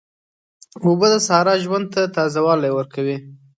اوبه د صحرا ژوند ته تازه والی ورکوي.